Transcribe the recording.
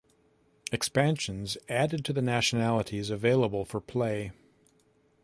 Expansions added to the nationalities available for play.